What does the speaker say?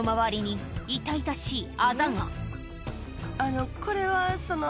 あのこれはその。